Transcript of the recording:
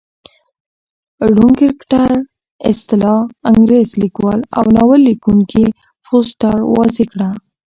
رونډ کرکټراصطلاح انکرېرلیکوال اوناول لیکوونکي فوسټر واضع کړه.